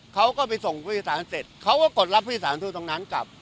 เขาก็ไปส่งพฤษศาลเสร็จเขาก็กดรับพฤษศาลที่ตรงนั้นกลับ